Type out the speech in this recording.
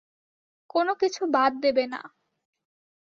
কোনো কিছু বাদ দেবে না।